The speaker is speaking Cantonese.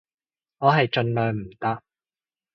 我係盡量唔搭